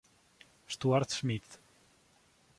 Stuart Smith